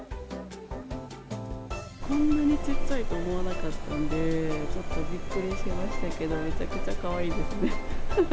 こんなにちっちゃいと思わなかったんで、ちょっとびっくりしましたけど、めちゃくちゃかわいいですね。